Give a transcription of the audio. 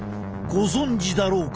ご存じだろうか？